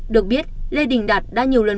được biết lê đình đạt đã nhiều lần